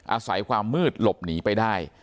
อาศัยความมืดหลบหนีไปได้